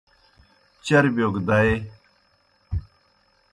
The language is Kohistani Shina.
چربِیو گہ دائے۔